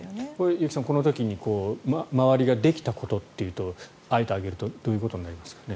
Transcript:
結城さん、この時に周りができたことというとあえて挙げるとどういうことになりますかね？